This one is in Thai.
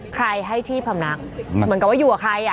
ใครให้ที่พำนักเหมือนกับว่าอยู่กับใครอ่ะ